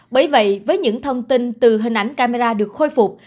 bởi vậy với những thông tin từ hình ảnh camera được khôi phục